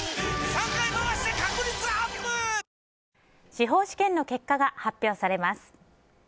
司法試験の結果が発表されます。